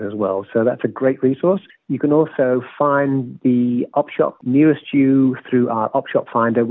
anda juga bisa menemukan opshop yang paling dekat anda melalui opshop finder